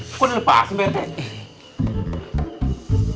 hah kok udah lepasin pak rt